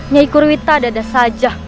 nyai gurwita dada saja